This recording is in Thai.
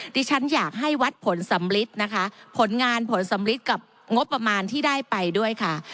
ดิฉันอยากให้วัดผลสำลิดนะคะผลงานผลสำลิดกับงบประมาณที่ได้ไปด้วยค่ะ